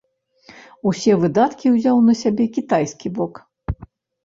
Усе выдаткі ўзяў на сябе кітайскі бок.